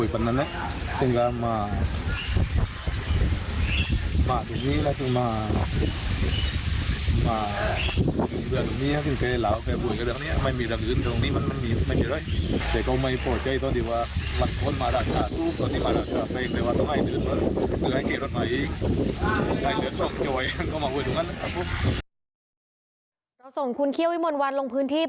ไปที่ที่นี้